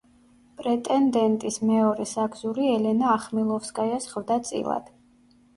პრეტენდენტის მეორე საგზური ელენა ახმილოვსკაიას ხვდა წილად.